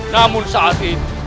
namun saat ini